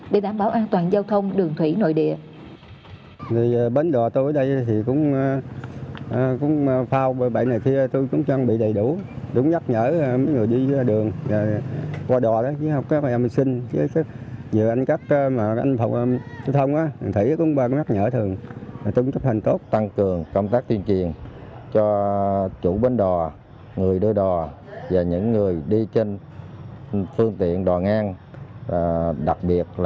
để đảm bảo an toàn giao thông đường thủy nội địa